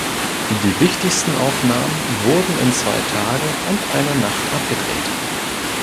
Die wichtigsten Aufnahmen wurden in zwei Tagen und einer Nacht abgedreht.